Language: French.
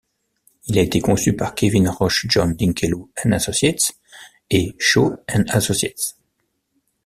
Il a été conçu par Kevin Roche-John Dinkeloo and Associates et Shaw & Associates.